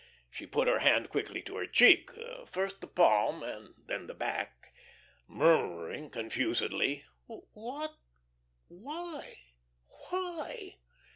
She put her hand quickly to her cheek, first the palm and then the back, murmuring confusedly: "What? Why? why?"